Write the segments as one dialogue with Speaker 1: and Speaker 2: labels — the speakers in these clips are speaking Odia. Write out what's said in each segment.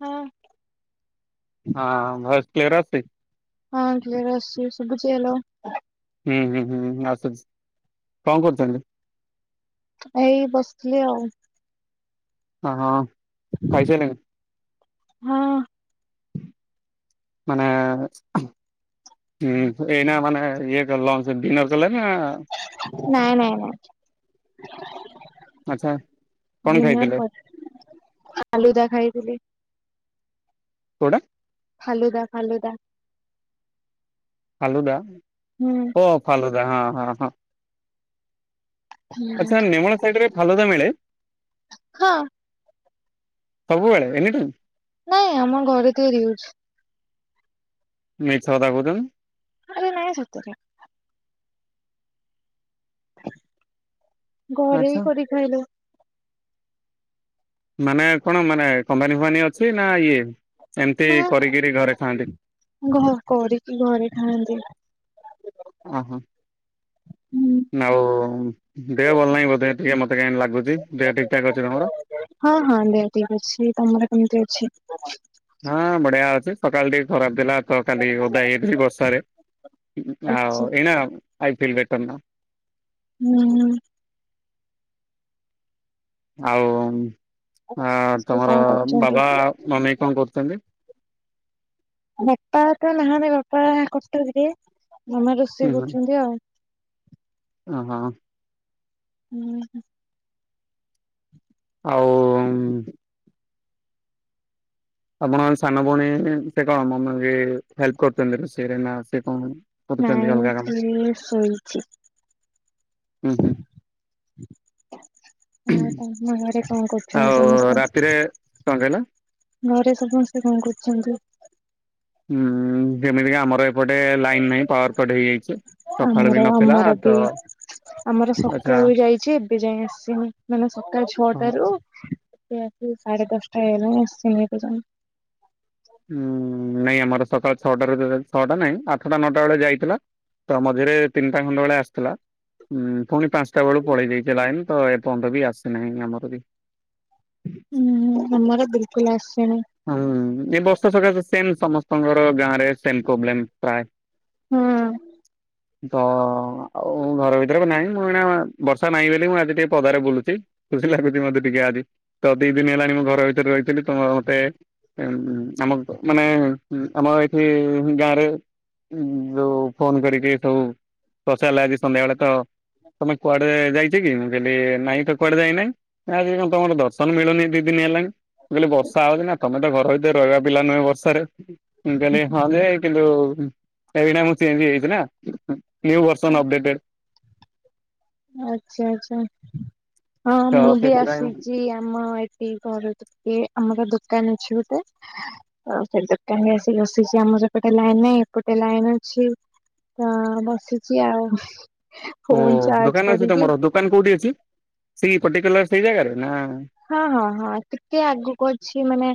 Speaker 1: ହୁଁ।
Speaker 2: ହଁ ଭାୟସ୍ କ୍ଲିୟର ଆସୁଛି?
Speaker 1: ହଁ କ୍ଲିୟର ଆସୁଛି ଶୁଭୁଚି ହେଲୋ।
Speaker 2: ହୁଁ ହୁଁ ହୁଁ ଆସୁଛି କଣ କରୁଛନ୍ତି?
Speaker 1: ଏଇ ବସିଥିଲି ଆଉ।
Speaker 2: ଆଁ ହଁ ଖାଇସାଇଲେଣି?
Speaker 1: ହଁ।
Speaker 2: ମାନେ ହୁଁ। ହୁଁ ଏଇନା ମାନେ ଇଏ ଲଞ୍ଚ ଡିନର କଲେ ନା?
Speaker 1: ନାଇଁ ନାଇଁ ନାଇଁ
Speaker 2: ଆଚ୍ଛା
Speaker 1: [inaudible]
Speaker 2: କଣ
Speaker 1: ଡିନର
Speaker 2: ଖାଇଥିଲେ
Speaker 1: କରିଚି। ଆଲୁଦା ଖାଇଥିଲି।
Speaker 2: କୋଟା?
Speaker 1: ଫାଲୁଦା ଫାଲୁଦା।
Speaker 2: ଫାଲୁଦା?
Speaker 1: ହୁଁ।
Speaker 2: ଓ ଫାଲୁଦା ହଁ ହଁ ହଁ।
Speaker 1: ହୁଁ।
Speaker 2: ଆଚ୍ଛା ନେମାଳ ସାଇଟ ରେ ଫାଲୁଦା ମିଳେ?
Speaker 1: ହଁ
Speaker 2: ସବୁବେଳେ ଏନି ଟାଇମ୍।
Speaker 1: ନାଇଁ ଆମ ଘରେ ତିଆରି ହଉଛି।
Speaker 2: ମିଛ କଥା କହୁଚନ୍ତି?
Speaker 1: ଆରେ ନାଇସତରେ। ଘରେ
Speaker 2: ଆଚ୍ଛା
Speaker 1: ହିଁ କରି ଖାଇଲୁ।
Speaker 2: ମାନେ କଣ ମାନେ କମ୍ପାନୀ ଫୋପାନୀ ଅଛି ନା ଇଏ ଏମିତି
Speaker 1: ନା
Speaker 2: କରିକିରି ଘରେ ଖାଆନ୍ତି?
Speaker 1: ଘ କରିକି ଘରେ ଖାଆନ୍ତି।
Speaker 2: ଓ ହୋ,
Speaker 1: ହୁଁ।
Speaker 2: ଆଉ? ଦେହ ଭଲ ନାହିଁ ବୋଧେ ଟିକେ ମୋତ କାହିଁ ଲାଗୁଛି ଦେହ ଠିକଠାକ୍ ଅଛି ତମର?
Speaker 1: ହଁ ହଁ ଦେହ ଠିକ ଅଛି, ତମର କେମିତି ଅଛି?
Speaker 2: ହଁ ବଢିଆ ଅଛି ସକାଳ ଟିକ ଖରାପ ଥିଲା। ତ କାଲି ଓଦା ହେଇଥିଲି ବର୍ଷାରେ ଆଉ
Speaker 1: ଅଛି
Speaker 2: ଏନା ଆଇ ଫିଲ୍ ବେଟର ନାଓ।
Speaker 1: ହୁଁ ହୁଁ।
Speaker 2: ଆଉ ଆ
Speaker 1: ସମସ୍ତେ କଣ
Speaker 2: ତମର
Speaker 1: କରୁଛନ୍ତି?
Speaker 2: ବାବା ମମି କଣ କରୁଛନ୍ତି?
Speaker 1: ବାପା ତ ନାହାନ୍ତି ଘର ପା ବାପା କଟକ ରେ ମାମା
Speaker 2: ହୁଁ
Speaker 1: ରୋଷେଇ
Speaker 2: ହୁଁ
Speaker 1: କରୁଛନ୍ତି ଆଉ।
Speaker 2: ଓହୋ।
Speaker 1: ହୁଁ।
Speaker 2: ଆଉ? ଆପଣ ସାନ ଭଉଣୀ ସେ କଣ ମମି ବି ହେଲ୍ପ କରୁଛନ୍ତି ରୋଷେଇରେ ନା ସେ କଣ? କରୁଛନ୍ତି
Speaker 1: ନାଇ
Speaker 2: ଅଲଗା କାମ
Speaker 1: ସିଏ ଶୋଇଛି।
Speaker 2: ହୁଁ ହୁଁ
Speaker 1: ଆ ତମ ଆଡେ କଣ କରୁଛନ୍ତି
Speaker 2: ଆଉ
Speaker 1: ସମସ୍ତେ,
Speaker 2: ରାତିରେ କଣ କହିଲ
Speaker 1: ଘରେ ସମସ୍ତେ କଣ କରୁଛନ୍ତି?
Speaker 2: ହୁଁ। ଯେମିତିକି ଆମର ଏପଟେ ଲାଇନ୍ ନାହିଁ ପାୱାର କଟ୍ ହେଇଯାଇଛି ସକାଳୁ
Speaker 1: ଆମର
Speaker 2: ବି ନଥିଲା
Speaker 1: ଆମର ବି
Speaker 2: ତ।
Speaker 1: ଆମର ସକାଳୁ
Speaker 2: ଆଚ୍ଛା
Speaker 1: ଯାଇଛି ଏବେ ଯାଇ ଆସିନି ମାନେ ସକାଳ ଛଅଟାରୁ ରାତି ସାଢେ ଦଶଟା ହେଇଗଲାଣି ଆସିନି ଏପର୍ଯ୍ୟନ୍ତ।
Speaker 2: ହୁଁ ନାଇଁ ଆମର ସକାଳ ଛଅଟା ରେ ଛଅଟା ନାଇଁ ଆଠଟା ନଅଟା ବେଳେ ଯାଇଥିଲା। ତ ମଝିରେ ତିନିଟା ଖଣ୍ଡ ବେଳେ ଆସିଥିଲା ଉଁ ପୁଣି ପାଞ୍ଚଟା ବେଳୁ ପଳେଇ ଯାଇଥିଲା ଇମିତି ତ। ବନ୍ଧ ବି ଆସେନାହିଁ ଆମର ବି।
Speaker 1: ହୁଁ ହୁଁ ଆମର ବିଲକୁଲୁ ଆସିନି।
Speaker 2: ହୁଁ ଏ ବର୍ଷା ସକାଶେ ସେମ୍ ସମସ୍ତଙ୍କର ଗାଁରେ ସେମ୍ ପ୍ରୋବ୍ଲେମ୍ ପ୍ରାୟ
Speaker 1: ହୁଁ।
Speaker 2: ତ ଆଉ ଘର ଭିତରେ ନାହିଁ ମୁଁ ଏ ବର୍ଷା ନାହିଁ ବୋଲି ମୁଁ ଆଜି ଟିକେ ପଦାରେ ବୁଲୁଛି। ଖୁସି ଲାଗୁଛି ମତେ ଟିକେ ଆଜି ତ ଦି ଦିନ ହେଲାଣି ମୁଁ ଘର ଭିତରେ ରହିଥିଲି ତମର ମତେ ଉମ ଆମ ମାନେ ଆମ ଏଇଠି ଗାଁ ରେ ଉଁ ଯୋଉ ଫୋନ କରିକି ସବୁ ପଚାରିଲା ଆଜି ସନ୍ଧ୍ୟା ବେଳେ ତ ତମେ କୁଆଡେ ଯାଇ କି ମୁଁ କିଲଲି ନାଇଁ ତ କୁଆଡେ ଯାଇନାାଇଁ ଆଜି କଣ ତମର ଦର୍ଶନ ମିଳୁନି ଦି ଦିନ ହେଲାଣି। କହିଲେ ବର୍ଷା ହଉଛି ନା ତମେ ତ ଘର ଭିତରେ ରହିବା ପିଲା ନୁହେଁ ବର୍ଷାରେ ମୁ କହଲି ହଁଯେ କିନ୍ତୁ ଏଇନା ମୁଁ ଚେଞ୍ ହେଯାଛି ନା। ନ୍ୟୁ ବର୍ଷନ ଅପଡେଟେଡ।
Speaker 1: ଆଚ୍ଛା ଆଚ୍ଛା ହଁ
Speaker 2: ତ
Speaker 1: ମୁଁ ବି
Speaker 2: ସେଥିପାଇଁ
Speaker 1: ଆସିଚି ଆମ ସେ କରତୁ କି ଆମର ଦୋକାନ ଅଛି ଗୋଟେ ଆଉ ସେ ଦୋକାନରେ ଆସି ବସିଛି ଆମରସେପଟେ ଲାଇନି ନାଇଁ ଏପଟେ ଲାଇନି ଅଛି। ତ ବସିଛି ଆଉ।
Speaker 2: ଓ
Speaker 1: ଫୋନ ଚାର୍ଜ
Speaker 2: ଦୋକାନ ଅଛି
Speaker 1: କରିକି
Speaker 2: ତମର ଦୋକାନ କୋଉଠି ଅଛି ସେ ପର୍ଟିକୁଲାର ସେଇ ଜାଗାରେ ନା?
Speaker 1: ହଁ ହଁ ହଁ ଟିକେ ଆଗକୁ ଅଛି ମାନେ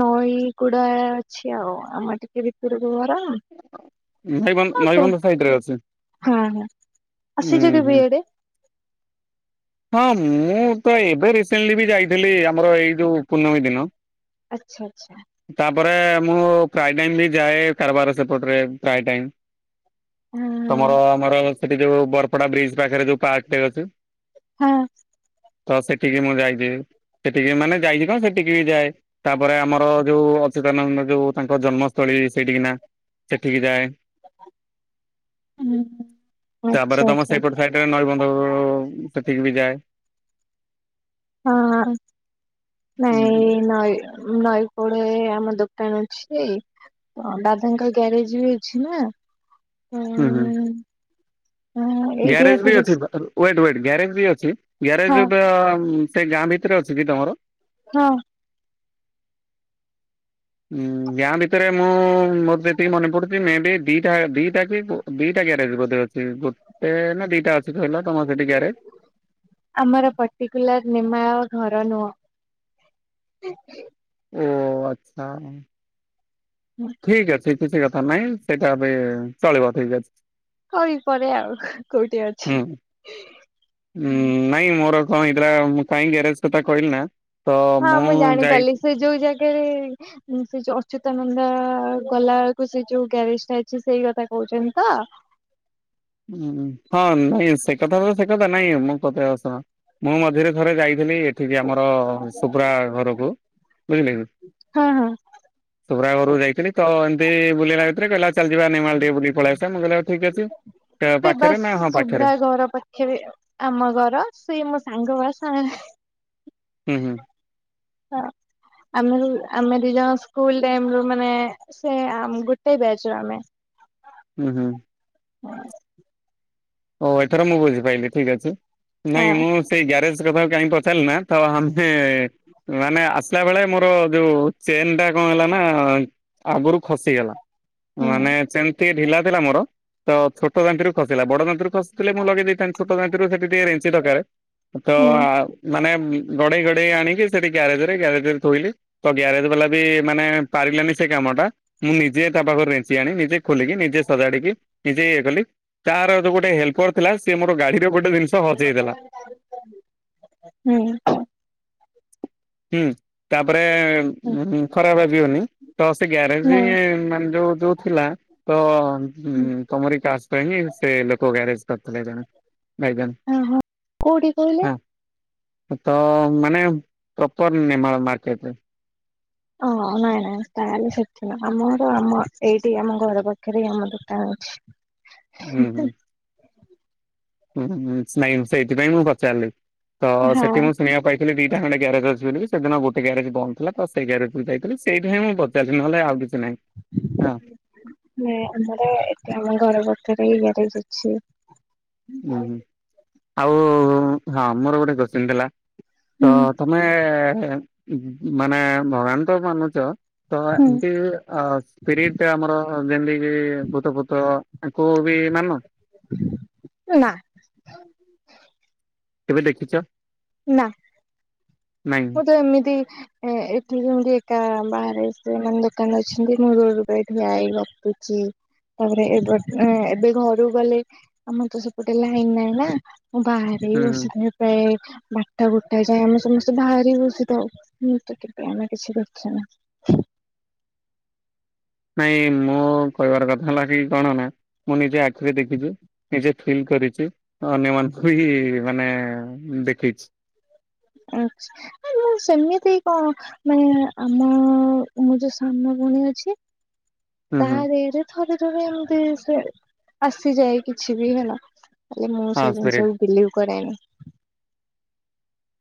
Speaker 1: ନଈ ଗୁଡା ଅଛି ଆଉ ଆମର ଟିକେ ଭିତରକୁ ଘର।
Speaker 2: ନଈବନ୍ଧ
Speaker 1: ହଁ ତ
Speaker 2: ନଈବନ୍ଧ ସାଇଡରେ ଅଛି
Speaker 1: ହୁଁ ହୁଁ
Speaker 2: ହୁଁ
Speaker 1: ଆସିଛ କେବେ
Speaker 2: ହୁଁ।
Speaker 1: ଏଇଆଡେ?
Speaker 2: ହଁ ମୁଁ ତ ଏବେ ରିସେଣ୍ଟଲି ବି ଯାଇଥିଲି ଆମର ଏଇ ଯୋଉ ପୂର୍ଣ୍ଣମୀ ଦିନ।
Speaker 1: ଆଚ୍ଛା ଆଚ୍ଛା
Speaker 2: ତାପରେ ମୁଁ ପ୍ରାଏ ଟାଇମ୍ ବି ଯାଏ କାରବାର ସେପଟରେ ପ୍ରାଏ ଟାଇମ୍।
Speaker 1: ହଁ
Speaker 2: ତମର ଆମର ସେଠି ଯୋଉ ବରପଡା ବ୍ରିଜ୍ ପାଖରେ ଯୋଉ ପାର୍କ ଟେ ଅଛି।
Speaker 1: ହଁ।
Speaker 2: ତ ସେଠିକି ମୁଁ ଯାଇଛି ସେଠିକି ମାନେ ଯାଇଛି କଣ ସେଠିକି ବି ଯାଏ। ତାପରେ ଆମର ଯୋଉ ଅଚ୍ୟୁତାନନ୍ଦ ଯୋଉ ତାଙ୍କର ଜନ୍ମସ୍ଥଳୀ ସେଇଠିକିନା ସେଠିକି ଯାଏ
Speaker 1: ହୁଁ
Speaker 2: ତାପରେ
Speaker 1: ଆଚ୍ଛା
Speaker 2: ତମ
Speaker 1: ଆଚ୍ଛା
Speaker 2: ସେଇପଟ ସାଇ କେବେ ନଈବନ୍ଧ ଉମ ସେଠିକି ବି ଯାଏ।
Speaker 1: ହଁ ହଁ ନାଇ ଏ ନଇ ନଈ କୂଳେ ଆମ ଦୋକାନ ଅଛି ଦାଦାଙ୍କ ଗ୍ୟାରେଜ ବି ଅଛି ନା।
Speaker 2: ହୁଁ ହୁଁ।
Speaker 1: ଏଇଠି
Speaker 2: ଗ୍ୟାରେଜ ବି ଅଛି ୱେଟ୍ନ ୱେଟ୍ ଗ୍ୟାରେଜ ବି ଅଛି
Speaker 1: ହଁ
Speaker 2: ଗ୍ୟାରେଜର ସେ ଗାଁ ଭିତରେ ଅଛି କି ତମର?
Speaker 1: ହଁ।
Speaker 2: ଗାଁ ଭିତରେ ମୁଁ ମୋର ଯେତିକି ମନେ ପଡୁଛି ମେ ବି ଦିଟା ଦିଟା କି ଦିଟା କ୍ୟାରେଜ ବୋଧେ ଅଛି ଗୋଟେ ନା ଦିଟା ଅଛି କହିଲ ତମର ସେଠି ଗ୍ୟାରେଜ?
Speaker 1: ଆମର ପର୍ଟିକୁଲାର ନିମା ଆମ ଘର ନୁହଁ।
Speaker 2: ଓ ଆଚ୍ଛା ଠିକଅଛି। କିଛି କଥା ନହିଁ ସେଇଟା ଏବେ ଚଳିବ ଠିକ ଅଛି।
Speaker 1: ହୋଇ ପରେ ଆଉ କୋଉଠି ଅଛି।
Speaker 2: ହୁଁ ଉଁ ନାଇଁ ମୋର କଣ ହେଇଥିଲା ମୁ କାହିଁକି ଆରେ୍ଜ କଥା କହିଲି ନା ତ
Speaker 1: ହଁ
Speaker 2: ମୁଁ ଯାଇ
Speaker 1: ଜାଣିପାରିଲି ସେ ଯୋଉ ଜାଗାରେ ମୁଁ ସେ ଯୋଉ ଅଚ୍ୟୁତାନନ୍ଦା ଆ ଗଲାଳକୁ ସେ ଯୋଉ ଗ୍ୟାରେଜଟା ଅଛି ସେଇ କଥା କହୁଛନ୍ତି ତ?
Speaker 2: ଉଁ ହଁ ନାଇଁ ସେ କଥା ତ ସେ କଥା ନାଇଁ ମୁଁ କତେଇ ଆସ ଶୁଣ। ମୁଁ ମଝିରେ ଥରେ ଯାଇଥିଲି ଏଠିକି ଆମର ଓ ଶୁଭ୍ରା ଘରକୁ ବୁଝିଲେ କି
Speaker 1: ହଁ ହଁ
Speaker 2: ସୁୁ୍ଭ୍ରା ଘରକୁ ଯାଇଥିଲି ତ ଏମିତି ବୁଲିଲା ଭିତରେ କହିଲା ଚାଲିଯିବା ନେମାଳ ଟିକେ ବୁଲିକି ପଳେଇ ଆସିବା ମୁ କହିଲି ହଉ ଠିକ ଅଛି।
Speaker 1: ସେ
Speaker 2: ପାଖରେ
Speaker 1: ବସ୍
Speaker 2: ନା ହଁ ପାଖରେ
Speaker 1: ଶୁଭ୍ରା ଘର ପା ଖରେ ଆମ ଘର ସିଏ ମୋ ସାଙ୍ଗ ବା ସା
Speaker 2: ହୁଁ ହୁଁ।
Speaker 1: ହଁ। ଆମର ଆମେ ଦିଜଣ ସ୍କୁଲ ଟାଇମରୁ ମାନେ ସେ ଆମ ଗୋଟେ ବ୍ୟାଚ ରୁ ଆମେ।
Speaker 2: ହୁଁ ହୁଁ।
Speaker 1: [inaudible]
Speaker 2: ଓ ଏଥର ମୁଁ ବୁଝିପାରଲିି ଠିକ ଅଛି।
Speaker 1: ହଁ
Speaker 2: ନାଇଁ ମୁଁ ସେଇ ଗ୍ୟାରେଜ ସେ କଥା କାହିଁ ପଚାରିଲିନା ତ ଆମ୍ଭେ-ଏ-ଏ ମାନେ ଆସିଲା ବେଳେ ମୋର ଯୋଉ ଚେନ ଟା କଣ ହେଲା ନା-ଆ-ଆ-ଆ ଆଗରୁ ଖସିଗଲା।
Speaker 1: ହୁଁ
Speaker 2: ମାନେ ଚେନଟି ଢିଲା ଥିଲା ମୋର ତ ଛୋଟ ଦାନ୍ତିରୁ ଖସିଲା ବଡ ଦାନ୍ତରୁ ଖସିଥିଲେ ମୁଁ ଲଗେଇ ଦେଇଥାନ୍ତି ଛୋଟ ଦାନ୍ତିରୁ ସେଠି ଟିକେ ରେଞ୍ଚି ଦରକାରେ
Speaker 1: ହୁଁ
Speaker 2: ତ-ଅ-ଅ-ଅ ମାନେ ଗଡ଼େଇ ଗଡ଼େଇ ଆଣିକି ସେଇଠି ଗ୍ୟାରେଜରେ ଗ୍ୟାରେଜରେ ଥୋଇଲି। ତ ଗ୍ୟାରେଜ ବାଲା ବି ମାନେ ପାରିଲାନି ସେ କାମ ଟା। ମୁଁ ନିଜେ ତା ପାଖରେ ରେଞ୍ଚି ଆଣି ନିଜେ ଖୋଲିକି, ନିଜେ ସଜାଡିକି, ନିଜେ ଇଏ କଲି ତାର ଗୋ ଗୋଟେ ହେଲପର ଥିଲା ସେ ମୋ ଗାଡିର ଗୋଟେ ଜିନଷ
Speaker 1: ହୁଁ।
Speaker 2: ହୁଁ ତାପରେ-ଏ-ଏ-ଏ ହୁଁ ହୁଁ ଖରା ବାଜିବନି। ତ ସେ
Speaker 1: ନାଇଁ
Speaker 2: ଗ୍ୟାରେଜି-ଇ-ଇ-ଇ ମାନେ ଯୋଉ ଯୋଉ ଥିଲା ତ-ଅ-ଅ ହୁଁ ହୁଁ ତମରି ଟ୍ୟାନ୍ସ ପ୍ରେମୀ ସେ ଲୋକ ଗ୍ୟାରେଜ କରିଥିଲେ ଜଣେ। [unintelligible]
Speaker 1: ଅ ହଁ କୋଉଠି କହିଲେ
Speaker 2: ହଁ ତ ମାନେ ପ୍ରପର ନିମାଳ ମାର୍କେଟରେ।
Speaker 1: ଓ ହୋ ନାଇଁ ନାଇଁ ତାହେଲେ ସେଠି ନାହିଁ ଆମର ଆମ ଏଇଠି ଆମ ଘର ପାଖରେ ଆମ ଦୋକାନ ଅଛି।
Speaker 2: ହୁଁ ହୁଁ। ହୁଁ ହୁଁ ନାଇଁ ସେଇଥିପାଇଁ ମୁଁ ପଚାରିଲି ତ-ଅ-ଅ
Speaker 1: ହଁ
Speaker 2: ସେଠି ମୁଁ ଶୁଣିବାକୁ ପାଇଥିଲି ଦିଇଟା ଖଣ୍ଡେ ଗ୍ୟାରେଜ ଅଛି ବୋଲିକି। ସେଦିନ ଗୋଟେ ଗ୍ୟାରେଜ ବନ୍ଦ ଥିଲା ତ ସେ ଗ୍ୟାରେଜକୁ ଯାଇଥିଲ ସେଇଥିପାଇଁ ମୁଁ ପଚାର ଏଠି ନହେଲେ ଆଉ କିଛି ନାହିଁ ହଁ।
Speaker 1: ନାଇଁ ଆମର ଏ ଆମ ଘର ପାଖରେ ହି ଗ୍ୟାରେଜ ଅଛି।
Speaker 2: ହୁଁ ହୁଁ ଆଉ-ଉ-ଉ-ଉ ହଁ ମୋର ଗୋଟେ କୋଶ୍ଚିନ୍ ଥିଲା
Speaker 1: ହୁଁ
Speaker 2: ତ [unintelligible] ମାନେ ଭଗବାନ ତ ମାନୁଛ। ତ
Speaker 1: ହୁଁ
Speaker 2: ଏମିତି ଆସ୍ ସ୍ପିରିଡ଼୍ ତ ଆମର ଯେମିତିକି-ଇ-ଇ-ଈ ଭୂତଫୁତ ଆଙ୍କୁ ବି ମାନ?
Speaker 1: ନା, [inaudible]
Speaker 2: କେବେ ଦେଖିଚ?
Speaker 1: ନା।
Speaker 2: ନାଇଁ
Speaker 1: ମୁଁ ତ ଏମିତି ଏ ଏଠି ଯେମିତି ଏକା ବାହାରେ ସେମାନେ ଦୋକାନ ଅଛନ୍ତି। ମୁଁ ରୋଡ ଉପରେ ଠିଆ ହେଇ ଗପୁଚି। ତାପରେ ଏବଟ ଏଁ ଏବେ ଘରୁକୁ ଗଲେ ଆମର ତ ସେପଟେ ଲାଇନ ନାହିଁ ନା, ମୁଁ ବାହାରେ
Speaker 2: ହୁଁ
Speaker 1: ହିଁ
Speaker 2: ହୁଁ
Speaker 1: ବସିିଥାଏ ପ୍ରାଯ ଏ ବାରଟା ଗୋଟେ ଯାଏ ଆମେ ସମସ୍ତେ ବାହାରି ହିଁ ବସିଥାଉ ମୁଁ ତ କେବେ ଆମେ କିଛି [unintelligible]
Speaker 2: ନାଇଁ ମୁଁ କହିବାର କଥା ହେଲା କି କଣ ନା ମୁଁ ନିଜେ ଆଖିରେ ଦେଖିଛି। ନିଜେ ଫିଲ୍ କରିଛି ଅନ୍ୟମାନଙ୍କୁ ବି ମାନେ-ଏ-ଏ-ଏ ଦେଖେଇଛି।
Speaker 1: ଆଛା ମୁଁ ସେମିତି କଣ ମାନେ ଆମ-ଅ-ଅ-ଅ ମୁଁ ଯୋଉ ସାମ ଭଉଣୀ ଅଛି।
Speaker 2: ହୁଁ ହୁଁ
Speaker 1: ତାଦେହ ରେ ଥରେ ଥରେ ଏମିତି ସେ ଆସିଯାଏ କିଛି ବି ହେଲା। ହେଲେ ମୁଁ
Speaker 2: ହଁ
Speaker 1: ସେ
Speaker 2: ସ୍ପିରିଟ
Speaker 1: ଜିନିଷକୁୁ ବିଲିଭ କରେନି।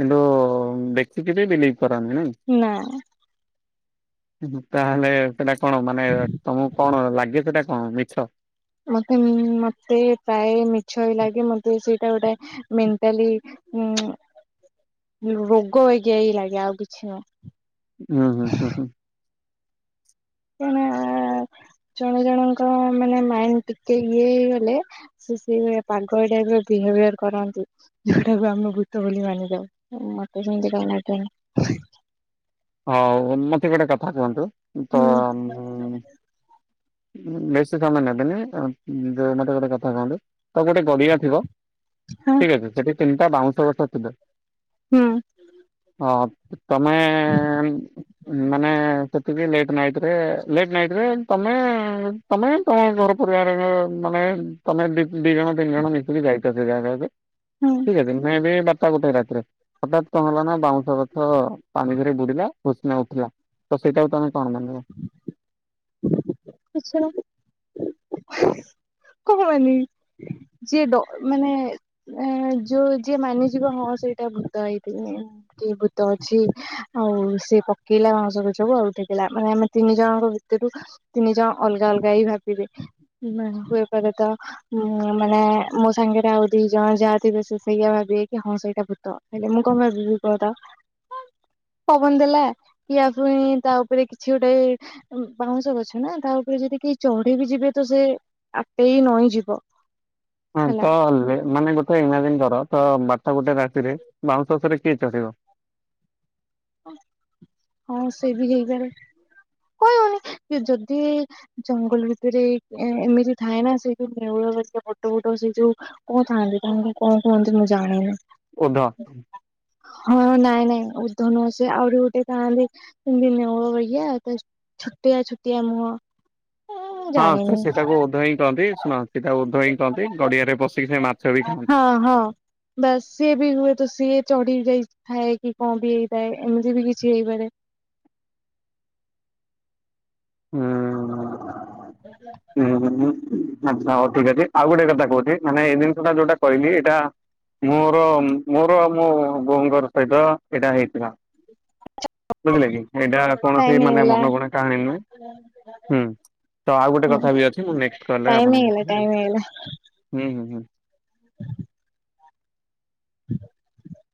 Speaker 2: କିନ୍ତୁ-ଉ-ଉ-ଉ-ଉ ଦେଖିକିରି ବିଲିଭ କରନି ନାଇଁ।
Speaker 1: ନା।
Speaker 2: ତାହେଲେ ସେଟା କଣ ମାନେ ତମକୁ କଣ ଲାଗେ ସେଟା କଣ ମିଛ?
Speaker 1: ମତେ ମତେ ପ୍ରାୟ ମିଛ ହି ଲାଗେ ମତେ ସେଇଟା ଗୋଟେ ମେଣ୍ଟାଲି ହୁଁ। ରୋଗ ହେଇକି ଏଇ ଲାଗି ଆଉ କିଛି ନୁହଁ।
Speaker 2: ଉଁ ହୁଁ ହୁଁ ହୁଁ।
Speaker 1: କଣ ଜଣେ ଜଣଙ୍କ ମାନେ ମାଇଣ୍ଡ ଟିକେ ଇଏ ହେଇଗଲେ ସେ ସେଭଳିଆ ପାଗଳ ଟାଇପ୍ ର ବିହେଭିୟର କରନ୍ତି। ଯଉଟାକୁ ଆମେ ଭୂତ ବୋଲି ମାନି ଥାଉ। ଆକୁ ଯେମିତି କଣ ଆପଣ
Speaker 2: ହଉ ମତେ ଗୋଟେ କଥା କୁହନ୍ତୁ। ତ
Speaker 1: ହୁଁ
Speaker 2: ମୁଁ ବେଶୀ ସମୟ ନେବେନି। ଉଁ ଯୋଉ ମତେ ଗୋଟେ କଥା କୁହନ୍ତୁ, ତ ଗୋଟେ ଗଡିଆ ଥିବ।
Speaker 1: ହଁ
Speaker 2: ଠିକ ଅଛି। ସେଠି ତିନିଟା ବାଉଁଶ ଗଛ ଥିବ।
Speaker 1: ହୁଁ।
Speaker 2: ହଁ। ତମେ ମାନେ ସେତିକି ଲେଟ୍ ନାଇଟିରେ ଲେଟ୍ ନାଇଟିରେ ତମେ ତମେ ତମେ ଘର ପରିବାରର ମାନେ ତମେ ଦି ଜଣ ତିନି ଜଣ ମିଶିକି ଯାଇଚ ସେ ଜାଗାକୁ।
Speaker 1: ହୁଁ
Speaker 2: ଠିକ ଅଛି ମେବି ବାରଟା ଗୋଟେ ରାତିରେ ହଠାତ୍ କଣ ହେଲା ନା, ବାଉଁଶ ଗଛ ପାଣିରେ ବୁଡିଲା ବହୁତ ସେହଁରେ ଉଠିଲା ତ ସେଟାକୁ ତମେ କଣ ମାନେ
Speaker 1: କିଛି ନୁହଁ। କୁହନି ଯିଏ ଡ ମାନେ ଏ ଯୋଉ ଯିଏ ମାନିଯିବ ହଁ ସେଇଟା ଭୂତ ହେଇଥିବେ। କିଏ ଭୂତ ଅଛି ଆଉ ସେ ପକେଇଲା ଆସ ଗଛକୁୁ ଆଉ ଟେକିଲା ମାନେ ଆମେ ତିନି ଜଣଙ୍କ ଭିତରୁ ତିନି ଜଣ ଅଲଗା ଅଲଗା ହେଇ ଭାବିବେ। ମୁଁ ହୋଇପାରେତ ହୁଁ ମାନେ ମୋ ସାଙ୍ଗରେ ଆଉ ଦି ଜଣ ଯାହା ଥିବେ ସେ ସେଇଆ ଭାବିବେ କି ହଁ ସେଇଟା ଭୂତ। ହେଲେ ମୁଁ କଣ ଭାବିବି କୁହତ? ପବନ ଦେଲା, କି ଆଥରେ ପୁଣି ତା ଉପରେ କିଛି ଗୋଟେ ବାଉଁଶ ଗଛ ନା, ତା ଉପରେ ଯଦି କେହି ଚଢିବି ଯିବେ ତ ସେ ଆଟେଇ ନଇଁ ଯିବ।
Speaker 2: ହଁ
Speaker 1: ହେଲା
Speaker 2: ତ ହେଲେ, ମାନେ ଗୋଟେ ଇମାଜିନ୍ କର ତ ବାରଟା ଗୋଟେ ରାତିରେ ବାଉଁଶ ଗଛରେ କିଏ ଚଢିବ?
Speaker 1: ହଁ ସେ ବି ହେଇପାରେ। କହିହଉନି ଯଦି ଜଙ୍ଗଲ ଭିତରେ ଏ ଏମିତି ଥାଏ ନା ସେ ଯୋଉ ନେଉଳ ପରିକା ବଡ ବଡ ସେଇ ଯୋଉ କଉଠି ଥାନ୍ତି ତାମଙ୍କୁ କଣ କୁହନ୍ତି ମୁଁ ଜାଣିନି।
Speaker 2: ଓଧ।
Speaker 1: ହଁ ନାଇଁ ନାଇଁ। ଧନୁ ଆ ଆଉରି ଉଠେ ଥାନ୍ତି ମ ନେଉ ଭଳିଆ ତ ଛୋଟିଆ ଛୋଟିଆ ମୁହଁ। ମୁଁ
Speaker 2: ହଁ
Speaker 1: ଜାଣିନି।
Speaker 2: ସେଟାକୁ ଉଧ ହଇଁ କ କରନ୍ତି ଶୁଣ ସେଇା ଉଧ ହଇଁ କହନ୍ତି ଗଡିଆରେ ପଶିକି ସେ ମା
Speaker 1: ହଁ ହଁ। ବାସ୍ ସିଏ ବି ହୁଏ ତ ସିଏ ଚଢି ଯାଇଥାଏ କି କଣ ବି ହେଇଥାଏ ଏମିତି ବି କିଛି ହେଇପାରେ?
Speaker 2: ହୁଁ
Speaker 1: [inaudible]
Speaker 2: ହୁଁ ହୁଁ ହୁଁ ଆଚ୍ଛା ହଉ ଠିକ୍ ଅଛି। ଆଉ ଗୋଟେ କଥା କହୁଛି ମାନେ ଏଇ ଜିନିଷଟା ଯୋଉଟା କହିଲି ଏଇଟା ମୋର ମୋର ଆଉ ମୋ ବୋଉଙ୍କର ସହିତ ଏଇଟା ହେଇଥିଲା। ବୁଝିଲ କି, ଏଇଟା କୌଣସି
Speaker 1: ଟାଇମ
Speaker 2: ମାନେ
Speaker 1: ହେଇଗଲା
Speaker 2: ମନ ଗଣା କାହାଣୀ ନୁହେଁ। ହୁଁ। ତ ଆଉ ଗୋଟେ କଥା ବି ଅଛି, ମୁଁ ନେକ୍ସଟ୍ କଲରେ
Speaker 1: ଟାଇମ
Speaker 2: ଆପଣଙ୍କୁ
Speaker 1: ହେଇଗଲା
Speaker 2: କହିବି।
Speaker 1: ଟାଇମ ହେଇଗଲା।
Speaker 2: ହୁଁ ହୁଁ ହୁଁ।
Speaker 1: [inaudible]